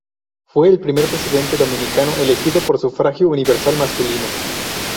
Fue el primer presidente dominicano elegido por sufragio universal masculino.